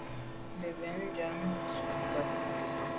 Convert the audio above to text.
Mbèn mbèn njam ntsho ndà.